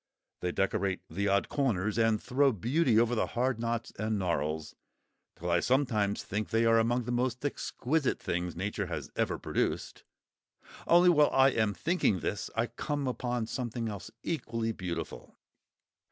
They decorate the odd corners, and throw beauty over the hard knots and gnarls, till I sometimes think they are among the most exquisite things Nature has ever produced—only while I am thinking this, I come upon something else equally beautiful.